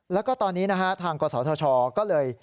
แล้วก็ตอนนี้ทางกศธก็เลย